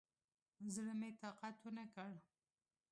زړه مې طاقت ونکړ.